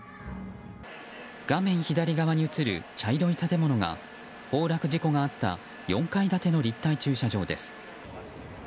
画面左側に映る茶色い建物が崩落事故があった４階建ての立体駐車場です。